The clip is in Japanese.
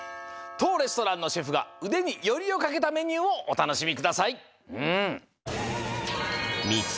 とうレストランのシェフがうでによりをかけたメニューをおたのしみください。